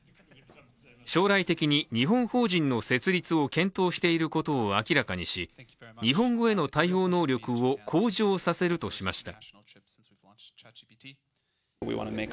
将来的に日本法人の設立を検討していることを明らかにし日本語への対応能力を向上させるとしました。